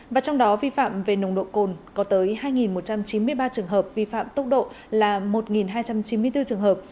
và trong đó vi phạm về nồng độ cồn có tới hai một trăm chín mươi ba trường hợp vi phạm tốc độ là một hai trăm chín mươi bốn trường hợp